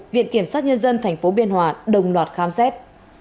viện kiểm sát nhân dân tp biên hòa đồng loạt khám xét